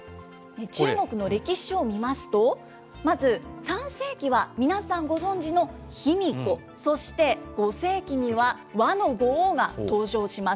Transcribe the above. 中国の歴史書を見ますと、まず３世紀は皆さんご存じの卑弥呼、そして５世紀には倭の五王が登場します。